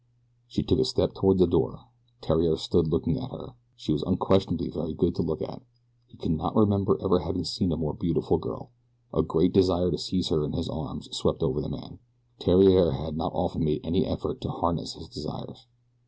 She took a step toward the door. Theriere stood looking at her. She was unquestionably very good to look at. He could not remember ever having seen a more beautiful girl. A great desire to seize her in his arms swept over the man. Theriere had not often made any effort to harness his desires.